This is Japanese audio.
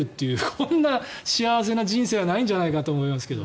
こんな幸せな人生はないんじゃないかと思いますけど。